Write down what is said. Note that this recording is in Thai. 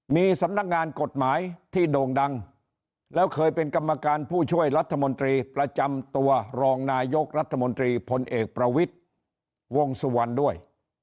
มีสำนักงานกฎหมายที่โด่งดังแล้วเคยเป็นกรรมการผู้ช่วยรัฐมนตรีประจำตัวรองนายกรัฐมนตรีพลเอกประวิทย์วงสุวรรณด้วย